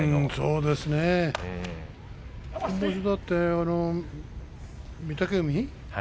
今場所だって、御嶽海？